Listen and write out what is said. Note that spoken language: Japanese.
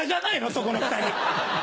そこの２人。